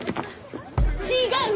違う！